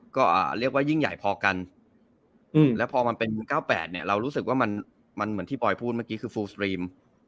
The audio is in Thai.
ก็เรียกว่ายิ่งใหญ่พอกันแล้วพอมันเป็น๙๘เนี่ยเรารู้สึกว่ามันเหมือนที่ปอยพูดเมื่อกี้คือฟูลสตรีม